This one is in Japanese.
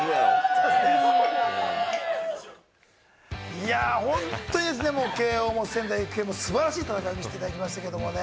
いや、本当にですね、慶應も仙台育英も素晴らしい戦いを見せてくれましたけれどもね。